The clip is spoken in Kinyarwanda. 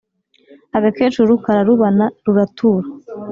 ” agakecuru kararubana, ruratura